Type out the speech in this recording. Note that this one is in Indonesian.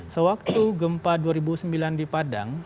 sewaktu gempa dua ribu sembilan di padang